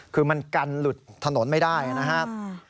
คือมันกันหลุดถนนไม่ได้นะครับ